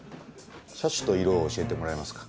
車種と色を教えてもらえますか？